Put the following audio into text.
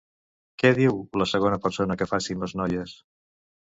Què diu la segona persona que facin les noies?